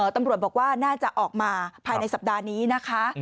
ตำรวจบอกว่าน่าจะออกมาภายในสัปดาห์นี้นะคะ